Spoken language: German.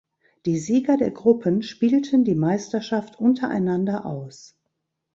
Die Sieger der Gruppen spielten die Meisterschaft untereinander aus.